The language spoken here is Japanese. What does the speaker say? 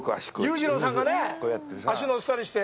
裕次郎さんがね、足を乗せたりして。